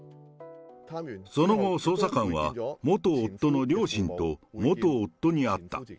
その後、捜査官は、元夫の両親と元夫に会った。